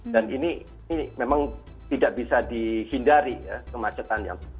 dan ini memang tidak bisa dihindari ya kemacetan